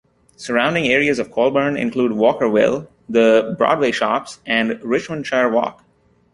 Surrounding areas of Colburn include Walkerville, the Broadway Shops and Richmondshire Walk.